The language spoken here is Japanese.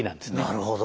なるほど。